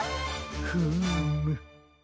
フーム。